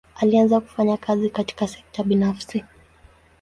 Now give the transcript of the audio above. Alianza kufanya kazi katika sekta binafsi.